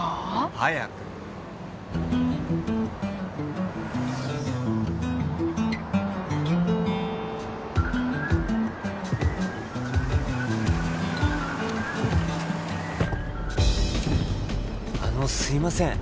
早くあのすいません